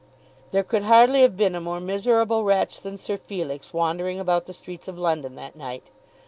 There could hardly have been a more miserable wretch than Sir Felix wandering about the streets of London that night.